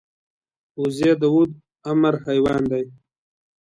وزې د اوږد عمر حیوان دی